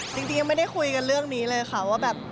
จริงยังไม่ได้คุยกันเรื่องนี้เลยค่ะว่าแบบ